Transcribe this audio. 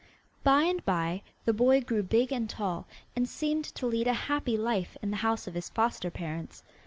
By and by the boy grew big and tall, and seemed to lead a happy life in the house of his foster parents.